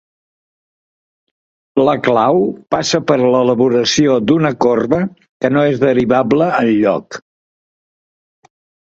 La clau passa per l'elaboració d'una corba que no és derivable enlloc.